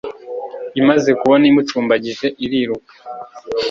Imaze kubona imucumbagije iriruka